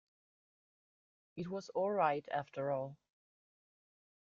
It was all right, after all.